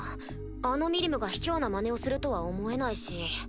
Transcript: あのミリムが卑怯なまねをするとは思えないし。